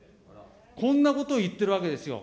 こんなことを言ってるわけですよ。